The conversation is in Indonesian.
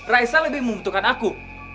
raisa lebih membutuhkan aku